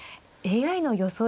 ＡＩの予想